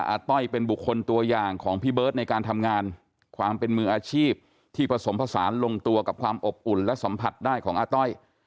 อาต้อยเป็นบุคคลตัวอย่างของพี่เบิร์ตในการทำงานความเป็นมืออาชีพที่ผสมผสานลงตัวกับความอบอุ่นและสัมผัสได้ของอาต้อย